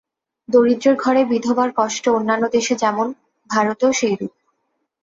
দরিদ্রের ঘরে বিধবার কষ্ট অন্যান্য দেশে যেমন, ভারতেও সেইরূপ।